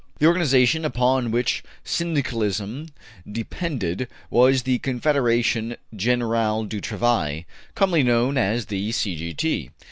The organization upon which Syndicalism de pended was the Confederation Generale du Travail, commonly known as the C. G. T.